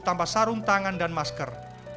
tanpa sarung tangan dan masker